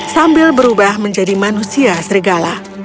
sambil berubah menjadi manusia serigala